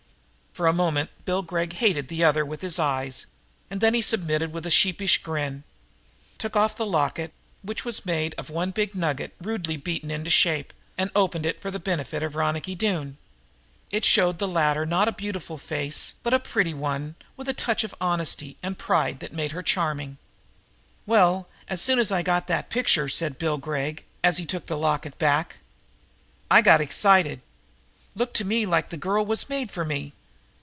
For a moment Bill Gregg hated the other with his eyes, and then he submitted with a sheepish grin, took off the locket, which was made of one big nugget rudely beaten into shape, and opened it for the benefit of Ronicky Doone. It showed the latter not a beautiful face, but a pretty one with a touch of honesty and pride that made her charming. "Well, as soon as I got that picture," said Bill Gregg, as he took back the locket, "I sure got excited. Looked to me like that girl was made for me.